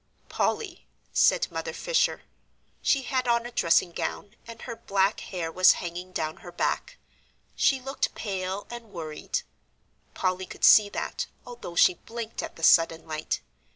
"Polly," said Mother Fisher. She had on a dressing gown, and her black hair was hanging down her back. She looked pale and worried; Polly could see that, although she blinked at the sudden light.